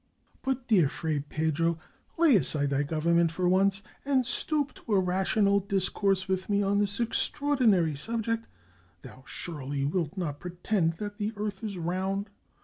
" But, dear Fray Pedro, lay aside thy government, for once, and stoop to a rational discourse with me on this extraordinary subject. Thou, surely, wilt not pretend that the earth is round?"